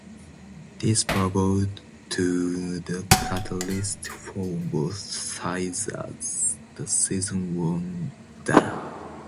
This proved to be the catalyst for both sides as the season wound down.